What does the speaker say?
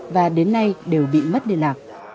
và đến nay đều bị mất liên lạc